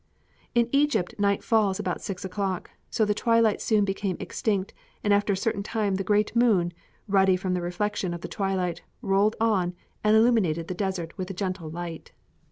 In Egypt night falls about six o'clock, so the twilight soon became extinct and after a certain time the great moon, ruddy from the reflection of the twilight, rolled on and illuminated the desert with a gentle light.